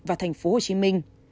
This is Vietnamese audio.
và thành phố hồ chí minh